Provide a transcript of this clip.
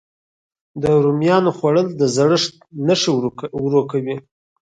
د رومیانو خووړل د زړښت نښې ورو کوي.